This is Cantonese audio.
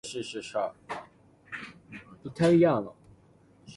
出去食夜粥？